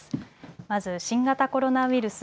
まず新型コロナウイルス。